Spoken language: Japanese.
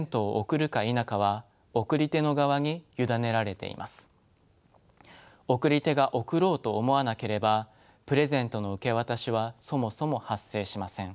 送り手が贈ろうと思わなければプレゼントの受け渡しはそもそも発生しません。